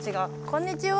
こんにちは。